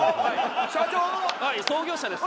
はい創業者です。